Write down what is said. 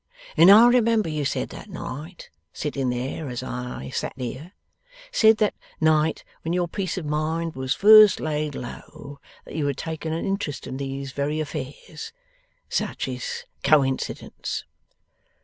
And I remember you said that night, sitting there as I sat here said that night when your peace of mind was first laid low, that you had taken an interest in these very affairs. Such is coincidence!